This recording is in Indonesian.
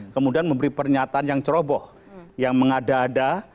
kemudian memberi pernyataan yang ceroboh yang mengada ada